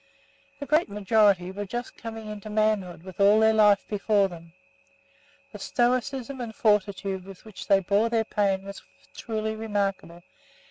The great majority were just coming into manhood with all their life before them. The stoicism and fortitude with which they bore their pain was truly remarkable.